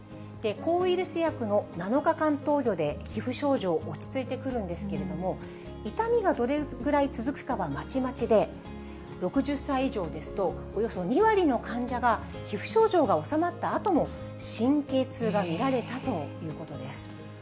抗ウイルス薬の７日間投与で、皮膚症状、落ち着いてくるんですけれども、痛みがどれぐらい続くかはまちまちで、６０歳以上ですと、およそ２割の患者が皮膚症状が治まったあとも、神経痛が見られたということです。